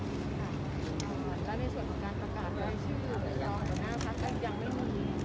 ในส่วนของการประกาศไว้ชื่อนายองหัวหน้าพัดกันยังไม่มี